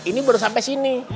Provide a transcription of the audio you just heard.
ini baru sampai sini